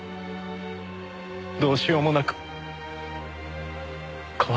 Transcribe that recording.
どうしようもなく変わるんです。